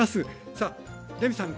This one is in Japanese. さあレミさん